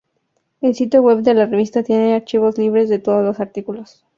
El sitio web de la revista tiene archivo libre de todos los artículos.